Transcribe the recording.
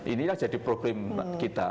inilah jadi problem kita